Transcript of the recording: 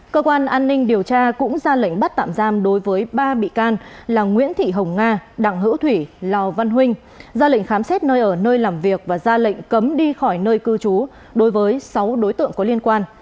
cơ quan an ninh điều tra cũng ra lệnh bắt tạm giam đối với ba bị can là nguyễn thị hồng nga đặng hữu thủy lò văn huynh ra lệnh khám xét nơi ở nơi làm việc và ra lệnh cấm đi khỏi nơi cư trú đối với sáu đối tượng có liên quan